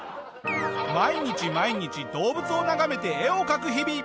毎日毎日動物を眺めて絵を描く日々。